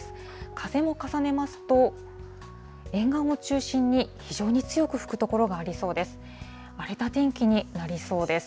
風も重ねますと、沿岸を中心に非常に強く吹く所がありそうです。